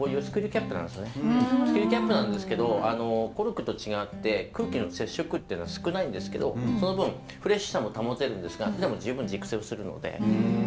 スクリューキャップなんですけどコルクと違って空気の接触っていうのは少ないんですけどその分フレッシュさも保てるんですがでも十分熟成をするので。